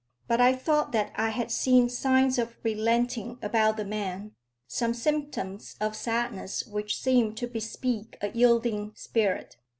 But I thought that I had seen signs of relenting about the man, some symptoms of sadness which seemed to bespeak a yielding spirit.